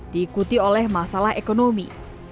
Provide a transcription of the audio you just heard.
diikuti oleh masalah ekonomi